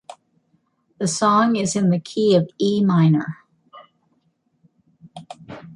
The song is in the key of E minor.